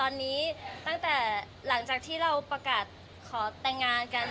ตอนนี้ตั้งแต่หลังจากที่เราประกาศขอแต่งงานกัน